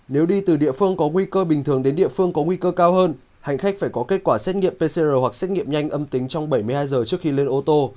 nếu đi từ địa phương có nguy cơ bình thường đến địa phương có nguy cơ cao hơn hành khách phải có kết quả xét nghiệm pcr hoặc xét nghiệm nhanh âm tính trong bảy mươi hai giờ trước khi lên ô tô